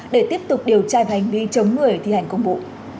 để tiếp tục điều tra về hành vi chống người thi hành công vụ